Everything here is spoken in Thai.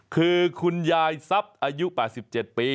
คือคุณยายทรัพย์อายุ๘๗ปี